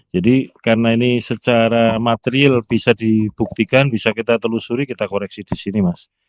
jadi karena ini secara material bisa dibuktikan bisa kita telusuri kita koreksi di sini mas